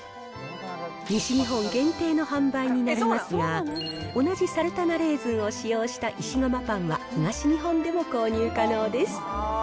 西日本限定の販売になりますが、同じサルタナレーズンを使用した石窯パンは、東日本でも購入可能です。